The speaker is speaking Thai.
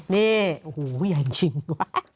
นี่โอ้โหใหญ่จริงว่ะ